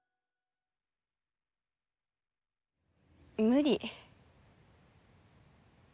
無理。